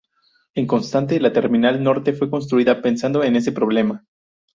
En contraste, la Terminal Norte fue construida pensando en ese problema.